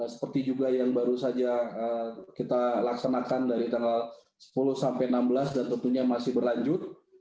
seperti juga yang baru saja kita laksanakan dari tanggal sepuluh sampai enam belas dan tentunya masih berlanjut